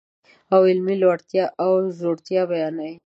ادب تاريخ د يوه ملت عقلاني او علمي لوړتيا او ځوړتيا بيانوي.